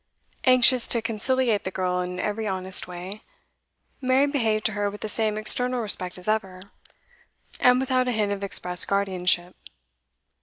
Anxious to conciliate the girl in every honest way, Mary behaved to her with the same external respect as ever, and without a hint of express guardianship.